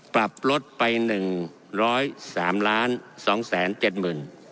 ปรับลดไป๑๐๓๒๗๐๐๐บาท